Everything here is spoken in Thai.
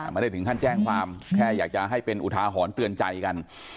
ไม่ได้ถึงขั้นแจ้งความแค่อยากจะให้เป็นอุทาหรณ์เตือนใจกัน